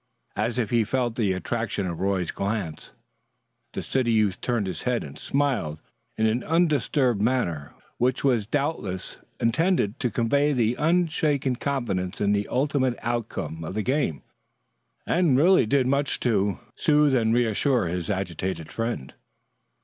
As if he felt the attraction of Roy's glance, the city youth turned his head and smiled in an undisturbed manner, which was doubtless intended to convey his unshaken confidence in the ultimate outcome of the game, and really did much to soothe and reassure his agitated friend.